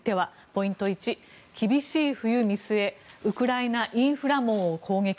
ポイント１、厳しい冬見据えウクライナインフラ網を攻撃。